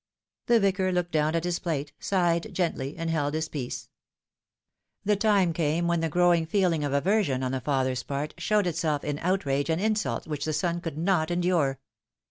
The Vicar looked down at his plate, sighed gently, and held his peace. The time came when the growing feeling of aversion on the father's part showed itself in outrage and insult which the son could not endure.